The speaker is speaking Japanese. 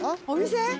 お店！？